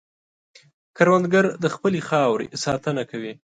کروندګر د خپلې خاورې ساتنه کوي